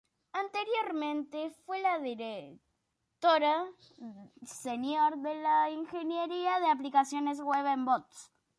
Anteriormente, fue la directora senior de Ingeniería de Aplicaciones Web en Box.